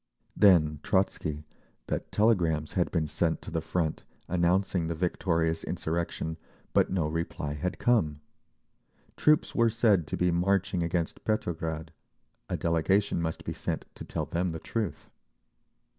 Then Trotzky, that telegrams had been sent to the front announcing the victorious insurrection, but no reply had come. Troops were said to be marching against Petrograd—a delegation must be sent to tell them the truth.